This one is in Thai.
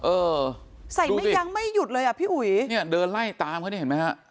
เออใส่ไม่ยั้งไม่หยุดเลยอ่ะพี่อุ๋ยเนี่ยเดินไล่ตามเขานี่เห็นไหมฮะ